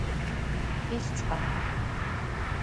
მთის წყარო